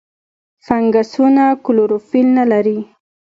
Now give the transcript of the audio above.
فنګسونه کلوروفیل نه لري.